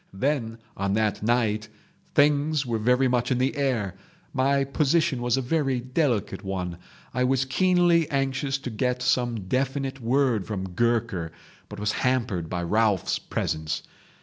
"Then, on that night things were very much in the air. My position was a very delicate one. I was keenly anxious to get some definite word from Gurker, but was hampered by Ralphs' presence.